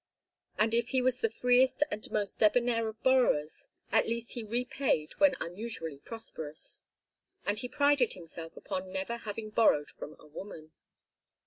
And if he was the freest and most debonair of borrowers at least he repaid when unusually prosperous; and he prided himself upon never having borrowed from a woman.